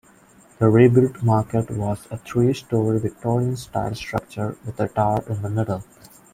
The rebuilt market was a three-storey Victorian-style structure with a tower in the middle.